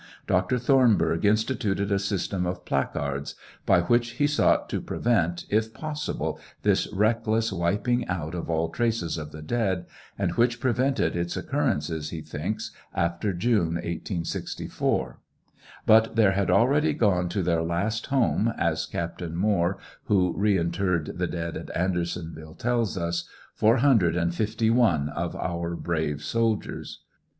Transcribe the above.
Dr. Thornburgh instituted a system of placards, by which he sought to prevent, if possible, this reckless wiping out of all traces of the dead, and which prevented its occurrence, he thinks, after June, 1864 ; but there had already gone to their last home, as Captain Moore, who reinterred the dead at Andersonville tells us, 461 of our brave soldiers.